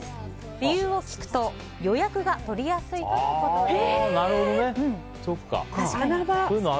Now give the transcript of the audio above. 理由を聞くと予約が取りやすいとのことです。